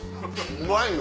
うまいよ。